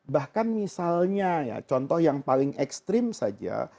bahkan misalnya contoh yang paling ekstrim saja